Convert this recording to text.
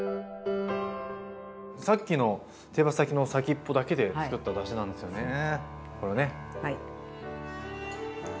さっきの手羽先の先っぽだけで作っただしなんですよねこれね。